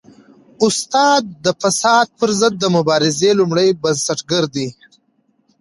استاد د فساد پر ضد د مبارزې لومړی بنسټګر دی.